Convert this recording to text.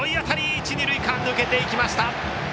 一、二塁間を抜けていきました！